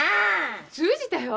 通じたよ。